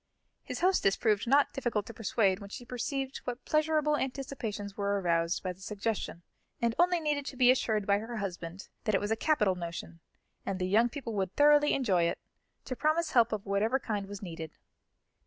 His hostess proved not difficult to persuade when she perceived what pleasurable anticipations were aroused by the suggestion; and only needed to be assured by her husband that it was a capital notion, and the young people would thoroughly enjoy it, to promise help of whatever kind was needed.